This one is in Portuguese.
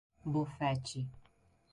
Bofete